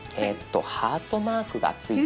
ハートマークがついているもの。